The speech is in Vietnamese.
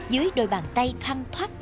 dưới đôi bàn tay thoang thoát